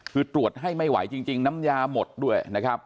คือตรวจให้ไม่ไหวจริงน้ำยาหมดด้วยนะครับ